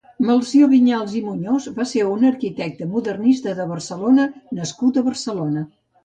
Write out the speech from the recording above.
Melcior Vinyals i Muñoz va ser un arquitecte modernista de Barcelona nascut a Barcelona.